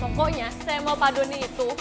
pokoknya saya mau paduni itu